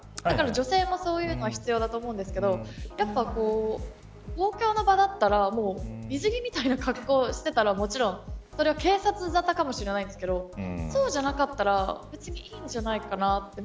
女性もそういうの必要だと思うんですけどやっぱ公共の場だったら水着みたいな格好をしていたら、もちろんそれは警察沙汰かもしれないですけどそうじゃなかったら別にいいんじゃないかなって。